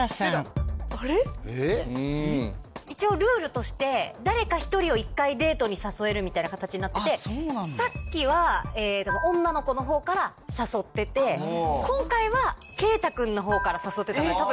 一応ルールとして誰か１人を１回デートに誘えるみたいな形になっててさっきは女の子のほうから誘ってて今回はけいた君のほうから誘ってたので多分。